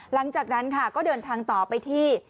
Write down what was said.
หลังจากนั้นค่ะก็เดินทางต่อไปที่